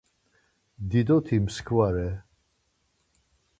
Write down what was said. Didoti mskva re.